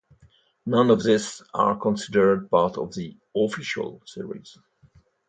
None of these are considered part of the "official" series.